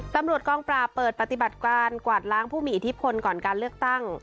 ตำรวจกองปราบเปิดปฏิบัติการกวาดล้างผู้มีอิทธิพลก่อนการเลือกตั้ง